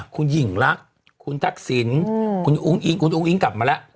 คุณหญิงลักษ์คุณทักษิณคุณรุงอิ้งอุงอิ๊งกลับมาแล้ว